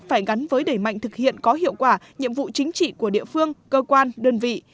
phải gắn với đẩy mạnh thực hiện có hiệu quả nhiệm vụ chính trị của địa phương cơ quan đơn vị